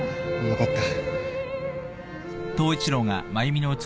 よかった